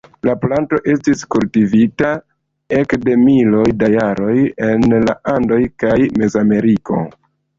La planto estis kultivita ekde miloj da jaroj en la Andoj kaj Mezameriko.